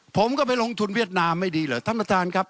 ผมก็ไปลงทุนเวียดนามไม่ดีเหรอท่านประธานครับ